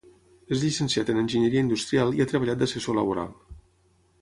És llicenciat en Enginyeria Industrial i ha treballat d'assessor laboral.